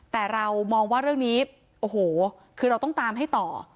แต่เรามองว่าเรื่องนี้โอ้โหคือเราต้องตามให้ต่อ